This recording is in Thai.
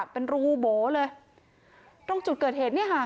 เป็นรูโบ๋เลยตรงจุดเกิดเหตุเนี่ยค่ะ